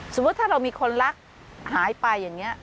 สมมุติถ้าเรามีคนรักหายไปอย่างนี้